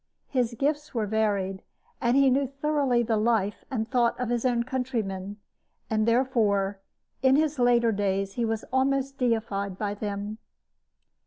His gifts were varied, and he knew thoroughly the life and thought of his own countrymen; and, therefore, in his later days he was almost deified by them.